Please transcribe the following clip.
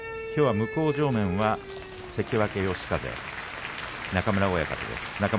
向正面は関脇嘉風、中村親方です。